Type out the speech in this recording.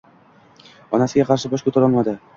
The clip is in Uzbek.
Onasiga qarshi bosh koʻtara olmadi